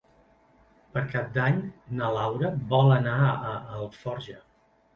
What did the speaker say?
Per Cap d'Any na Laura vol anar a Alforja.